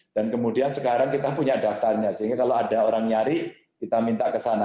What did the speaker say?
dan kemudian sekarang kita punya daftarnya sehingga kalau ada orang nyari kita minta ke sana